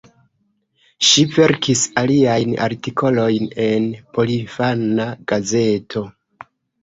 Ŝi verkis aliajn artikolojn en porinfana gazeto.